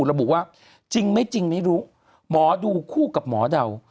ระบุว่าจริงไม่จริงไม่รู้หมอดูคู่กับหมอเดา